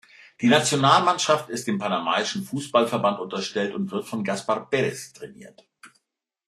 Die Nationalmannschaft ist dem panamaischen Fußballverband unterstellt und wird vom Gaspar Perez trainiert.